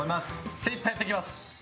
精いっぱい、やっていきます！